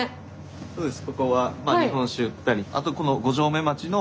そうです